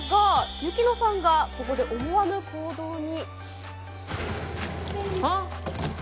ユキノさんがここで思わぬ行動に。